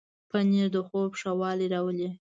پنېر د خوب ښه والی راولي.